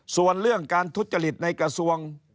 ส่วนเรื่องการทุจริตในกระทรวง